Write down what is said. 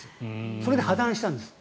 それで破談したんです。